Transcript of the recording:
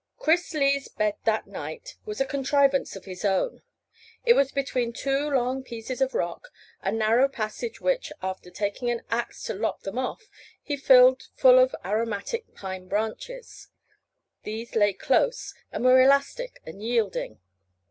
Chris Lee's bed that night was a contrivance of his own. It was between two long pieces of rock, a narrow passage which, after taking the axe to lop them off, he filled full of aromatic pine branches. These lay close and were elastic and yielding.